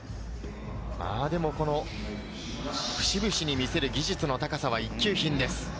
でも、節々に見せる技術の高さは一級品です。